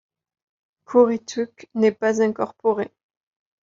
Currituck n’est pas incorporée.